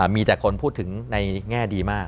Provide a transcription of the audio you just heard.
มีแต่คนพูดถึงในแง่ดีมาก